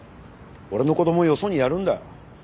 俺の子供をよそにやるんだ。